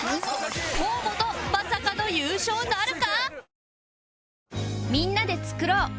河本まさかの優勝なるか？